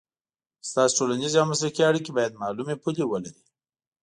ستاسو ټولنیزې او مسلکي اړیکې باید معلومې پولې ولري.